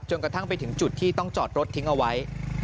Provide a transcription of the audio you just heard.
กระทั่งไปถึงจุดที่ต้องจอดรถทิ้งเอาไว้